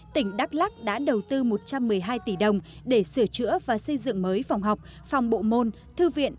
tỉnh đắk lắc đã đầu tư một trăm một mươi hai tỷ đồng để sửa chữa và xây dựng mới phòng học phòng bộ môn thư viện